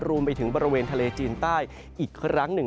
รวมไปถึงบริเวณทะเลจีนใต้อีกครั้งหนึ่ง